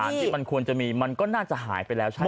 หลักฐานที่มันควรจะมีมันก็น่าจะหายไปแล้วใช่มั้ย